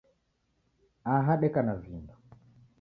Aha deka na vindo.